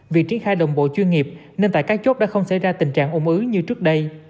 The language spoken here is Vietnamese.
việc triển khai đồng bộ chuyên nghiệp nên tại các chốt đã không xảy ra tình trạng ủng ứ như trước đây